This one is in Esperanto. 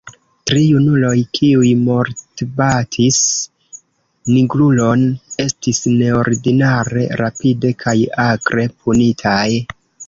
Tri junuloj, kiuj mortbatis nigrulon, estis neordinare rapide kaj akre punitaj.